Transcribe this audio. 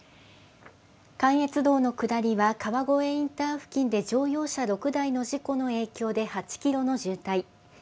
関越道の下りは、川越インター付近で乗用車６台の事故の影響で８キロの渋滞。